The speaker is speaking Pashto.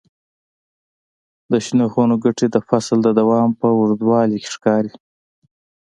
د شنو خونو ګټې د فصل د دوام په اوږدوالي کې ښکاري.